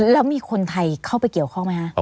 แล้วมีคนไทยเข้าไปเกี่ยวข้องไหมคะ